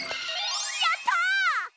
やった！